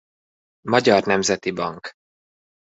Magyar Nemzeti Bank.